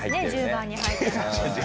１０番に入ってます。